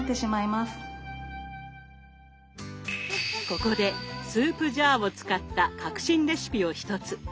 ここでスープジャーを使った革新レシピを一つ。